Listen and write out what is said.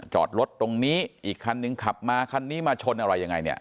จอดรถตรงนี้อีกคันนึงขับมาคันนี้มาชนอะไรยังไงเนี่ย